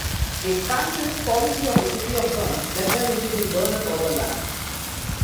The expansionist policy of the city of Bern led them into the Berner Oberland.